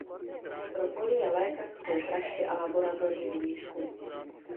Propojuje lékařskou praxi a laboratorní výzkum.